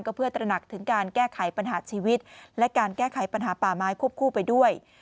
เพื่อตระหนักถึงการแก้ไขปัญหาชีวิตและการแก้ไขปัญหาป่าไม้ควบคู่ไปด้วย